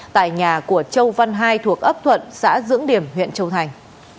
tại nhà của châu văn hai thuộc ấp thuận xã dưỡng điểm huyện châu thành